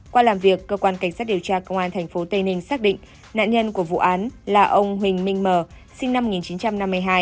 qua làm việc cơ quan cảnh sát điều tra công an tp tây ninh xác định nạn nhân của vụ án là ông huỳnh minh mờ sinh năm một nghìn chín trăm năm mươi hai